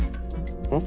うん？